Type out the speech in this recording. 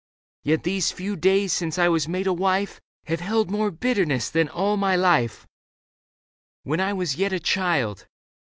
Yet these few days since I was made a wife Have held more bitterness than all my life, While I was yet a child."